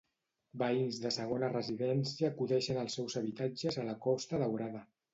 Veïns de segona residència acudeixen als seus habitatges a la Costa Daurada